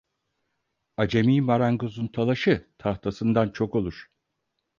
Acemi marangozun talaşı tahtasından çok olur.